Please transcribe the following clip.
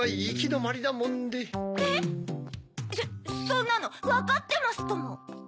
そんなのわかってますとも。